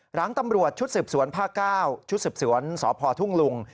หลังตำรวจชุดสืบสวนภาค๙ชุดสืบสวนสพทุ่งลุง